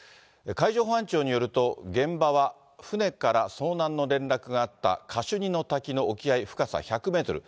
海上保安庁によると、現場は、船から遭難の連絡があったカシュニの滝の沖合、深さ１００メートル。